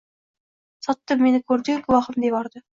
Sotim meni koʻrdiyu “guvohim” devordi.